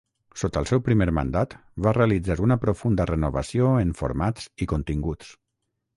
Sota el seu primer mandat va realitzar una profunda renovació en formats i continguts.